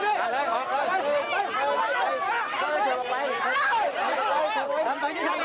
กั้นรถกั้นข้างนี่เอารถออกไง